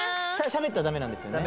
喋ったらダメなんですよね